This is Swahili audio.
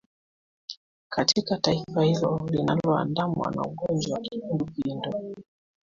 katika taifa hilo linaloandamwa na ugonjwa wa kipindupindu